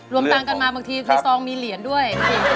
รวมต่างกันมาบางทีส่องมีเหรียญด้วย